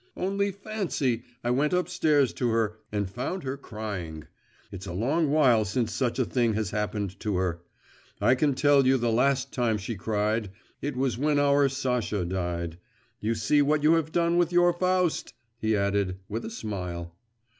'Only fancy! I went upstairs to her and found her crying. It's a long while since such a thing has happened to her. I can tell you the last time she cried; it was when our Sasha died. You see what you have done with your Faust!' he added, with a smile.